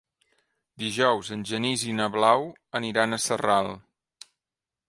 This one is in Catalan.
Dijous en Genís i na Blau aniran a Sarral.